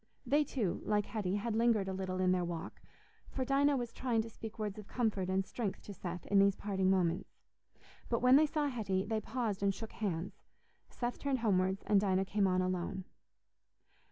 They, too, like Hetty, had lingered a little in their walk, for Dinah was trying to speak words of comfort and strength to Seth in these parting moments. But when they saw Hetty, they paused and shook hands; Seth turned homewards, and Dinah came on alone.